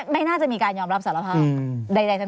ไม่น่าจะมีการยอมรับสารภาพ